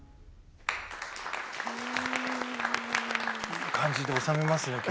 いい感じでおさめますね曲。